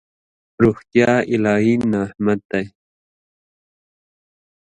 روغتیا الهي نعمت دی.